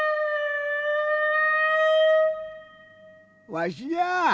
わしじゃあ！